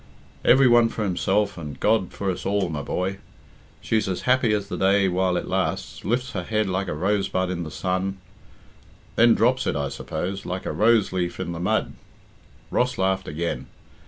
"Every one for himself and God for us all, my boy. She's as happy as the day while it lasts, lifts her head like a rosebud in the sun " "Then drops it, I suppose, like a rose leaf in the mud." Ross laughed again.